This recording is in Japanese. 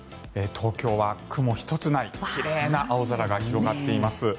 東京は雲一つない奇麗な青空が広がっています。